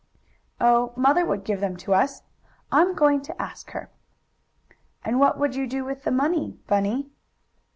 "Oh, mother would give them to us. I'm going to ask her." "And what would we do with the money, Bunny?"